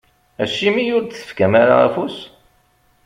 Acimi ur d-tefkam ara afus?